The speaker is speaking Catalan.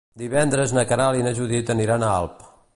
Divendres na Queralt i na Judit aniran a Alp.